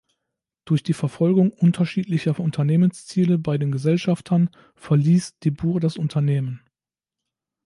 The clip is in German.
Durch die Verfolgung unterschiedlicher Unternehmensziele bei den Gesellschaftern, verließ "de Buhr" das Unternehmen.